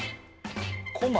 こま？